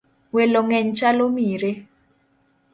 Welo ng'eny chalo mire.